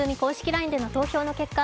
ＬＩＮＥでの投票の結果